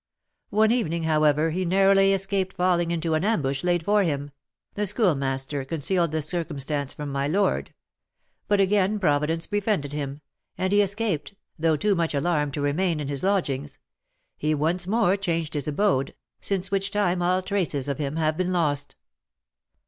One evening, however, he narrowly escaped falling into an ambush laid for him (the Schoolmaster concealed this circumstance from my lord), but again Providence befriended him, and he escaped, though too much alarmed to remain in his lodgings; he once more changed his abode, since which time all traces of him have been lost.